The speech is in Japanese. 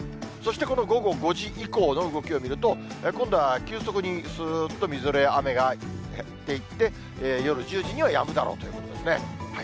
そしてこの午後５時以降の動きを見ると、今度は急速にすーっと、みぞれや雨が減っていって、夜１０時にはやむだろうと。